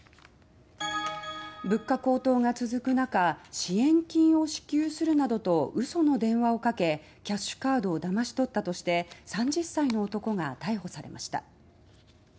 物価高騰が続くなか支援金を支給するなどと嘘の電話をかけキャッシュカードをだまし取ったとして３０歳の男が逮捕されました。